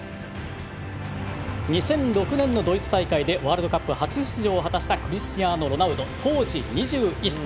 ２００６年のドイツ大会でワールドカップ初出場を果たしたクリスチアーノ・ロナウド。当時２１歳。